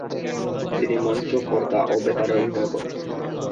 তিনি মঞ্চ, পর্দা ও বেতারে অভিনয় করতেন।